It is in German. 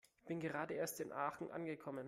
Ich bin gerade erst in Aachen angekommen